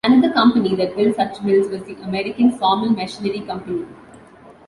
Another company that built such mills was the American Sawmill Machinery Company.